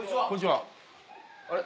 あれ？